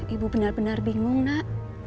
ibu benar benar bingung nak